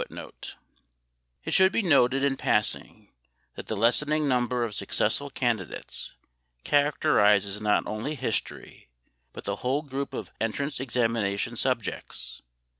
8 It should be noted in passing that the lessening number of successful candidates characterizes not only history, but the whole group of entrance examination subjects.